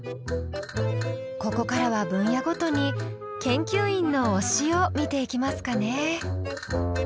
ここからは分野ごとに研究員の推しを見ていきますかね。